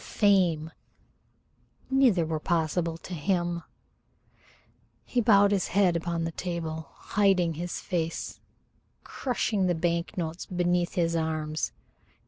Fame! Neither were possible to him. He bowed his head upon the table, hiding his face, crushing the bank notes beneath his arms.